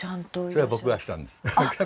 それは僕がしたんです。